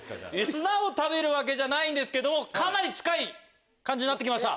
砂を食べるわけじゃないですけどかなり近い感じになってきました。